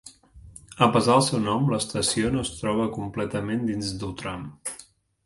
A pesar del seu nom, l'estació no es troba completament dins d'Outram.